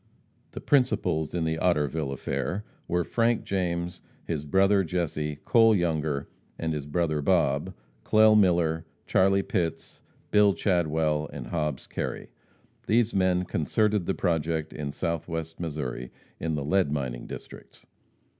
The principals in the Otterville affair were Frank James, his brother Jesse, Cole Younger, and his brother Bob, Clell Miller, Charlie Pitts, Bill Chadwell and Hobbs Kerry. These men concerted the project in Southwest Missouri, in the lead mining districts.